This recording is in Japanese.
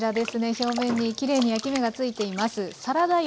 表面にきれいに焼き目が付いています。